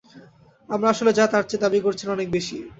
আমরা আসলে যা, তার চেয়ে দাবি করছেন অনেক বেশি।